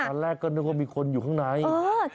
ตอนแรกก็นึกว่ามีคนอยู่ข้างใน